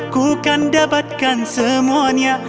ku kan dapatkan semuanya